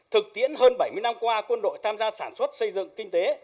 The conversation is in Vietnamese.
thực tiễn hơn bảy mươi năm qua quân đội tham gia sản xuất xây dựng kinh tế